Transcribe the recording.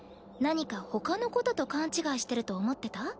何かほかのことと勘違いしてると思ってた？